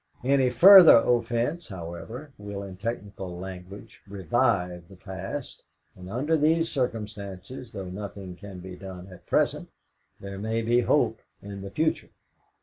Any further offence, however, will in technical language 'revive' the past, and under these circumstances, though nothing can be done at present, there may be hope in the future.